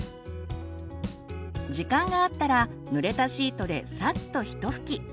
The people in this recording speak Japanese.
時間があったらぬれたシートでさっとひと拭き。